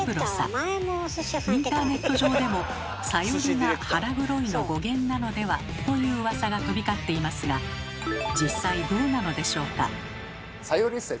インターネット上でもサヨリが「腹黒い」の語源なのでは？といううわさが飛び交っていますが実際どうなのでしょうか？